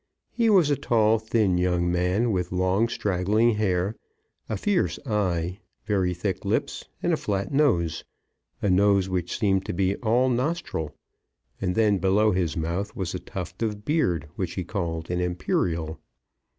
He was a tall, thin, young man, with long straggling hair, a fierce eye, very thick lips, and a flat nose, a nose which seemed to be all nostril; and then, below his mouth was a tuft of beard, which he called an imperial.